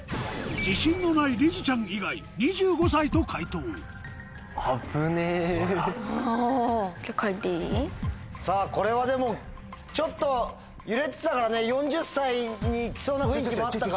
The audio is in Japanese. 自信のないりづちゃん以外「２５歳」と解答さぁこれはでもちょっと揺れてたからね「４０歳」にいきそうな雰囲気もあったから。